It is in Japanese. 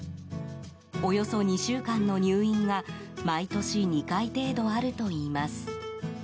およそ２週間の入院が毎年２回程度あるといいます。